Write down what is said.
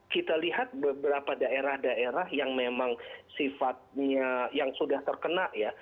kita lihat beberapa daerah daerah yang memang sifatnya yang sudah terkena ya